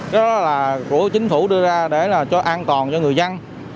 đó là của chính phủ đưa ra để cho an toàn cho người dân